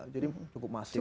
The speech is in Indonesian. jadi cukup masif ya